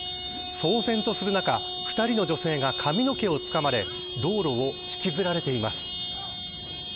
騒然とする中、２人の女性が髪の毛をつかまれ道路を引きずられています。